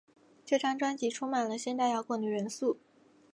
这张专辑充满了现代摇滚的元素。